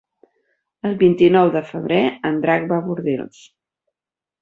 El vint-i-nou de febrer en Drac va a Bordils.